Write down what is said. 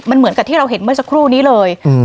มันเหมือนกับที่เราเห็นเมื่อสักครู่นี้เลย